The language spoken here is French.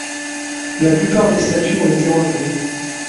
La plupart des statues ont été enlevées.